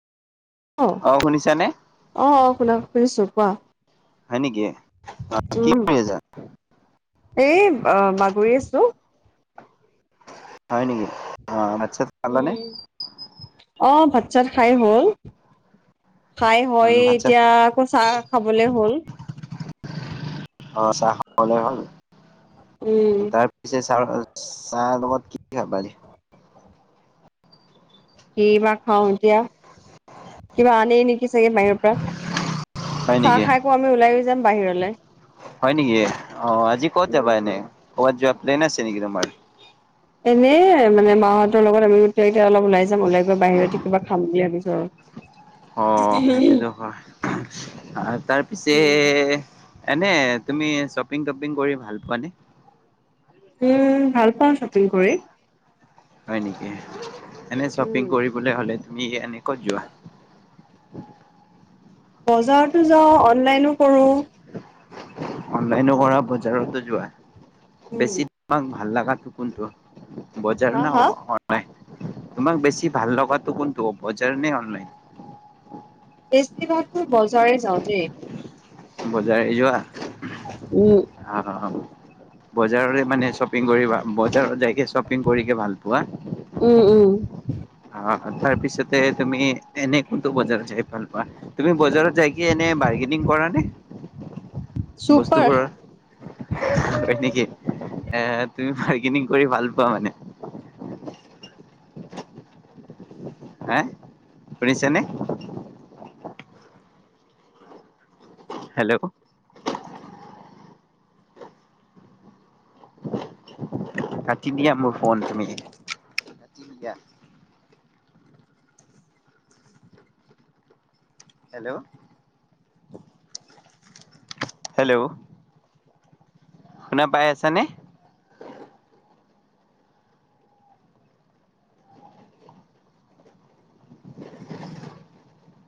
অ'! শুনিছানে? অ'! অ'! শুনা, শুনিছোঁ কোৱা? হয় নেকি? কি উম! কৰি আছা এই, অ'! বাগৰি আছিলোঁ। হয় নেকি? অ'! ভাত- চাত? খালানে উম, অ'! ভাত -চাত খাই হ'ল। খাই হয়, উম ভাত চাত এতিয়া আকৌ, চাহ খাবলে হ'ল। [unintelligible] অ'! চাহ খাবলৈ হ'ল? উম তাৰপিছে, চাহৰ, চাহ লগত কি খাবা এতিয়া? কিবা খুৱাওঁ এতিয়া! কিবা আনেই নেকি চাগে বাহিৰৰ পৰা। হয় চাহ নেকি খাই আকৌ, আমি ওলাই যাম বাহিৰলে। হয় নেকি? অ'! আজি ক'ত যাবা উম এনে? ক'ৰবাত যোৱা প্লেন আছে নেকি তোমাৰ? এনেই মানে, মা হঁতৰ লগত আবেলি [unintelligible] এতিয়া অলপ ওলাই যাম। ওলাই গৈ, বাহিৰতে কিবা খাম বুলি ভাবিছোঁ আৰু। অ'! সেইটোতো হয় আৰু তাৰপিছে উম এনে, তুমি শ্বপিং টপিং কৰি ভাল পোৱানে? উম! ভাল পাওঁ শ্বপিং কৰি। হয় নেকি? এনে, উম শ্বপিং কৰিবলৈ হ'লে তুমি এনে, ক'ত যোৱা? বজাৰতো যাওঁ, অনলাইনো কৰোঁ। অনলাইনো কৰা, বজাৰতো যোৱা? উম বেছিভাগ ভাল লাগা কোনটো? বজাৰ হা না অ' হা অ' অনলাইন? তোমাক বেছি ভাল লগাটো কোনটো- বজাৰ নে অনলাইন? বেছিভাগতো বজাৰে যাওঁ দেই। বজাৰ এ যোৱা? উম। অ বজাৰৰে মানে শ্বপিং কৰিবা, বজাৰত যাই শ্বপিং কৰিকে ভাল পোৱা? উম উম। অ তাৰ পিছতে তুমি এনে কোনতো বজাৰত যাই ভাল পোৱা? তুমি বজাৰত যাই কি এনে বাৰ্গেনিং কৰা নে চুপাৰ বস্তুবোৰৰ? হয় নেকি এ তুমি বাৰ্গেনিং কৰি ভাল পোৱা মানে? হেহ, শুনিছে নে? হেল্ল'ঊ কাটি দিয়া মোৰ ফোন তুমি। কাটি দিয়া। হেল্ল' হেল্ল'ঊ সোনা পাই আছানে?